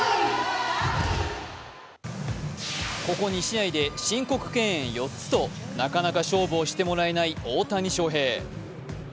ここ２試合で申告敬遠４つとなかなか勝負をしてもらえない大谷翔平。